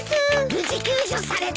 無事救助された。